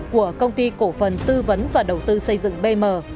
của công ty cổ phần tư vấn và đầu tư xây dựng bm